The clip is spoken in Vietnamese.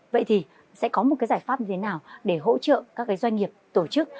vậy thì sẽ có một giải pháp gì nào để hỗ trợ các doanh nghiệp tổ chức